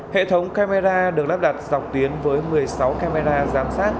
hệ thống camera được lắp đặt dọc tuyến với một mươi sáu camera giám sát